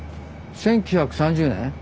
１９３０年？